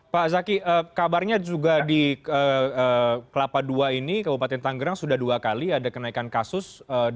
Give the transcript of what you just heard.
pak zaki kabarnya juga di kelapa dua ini kabupaten tanggerang sudah dua kali ada kenaikan kasus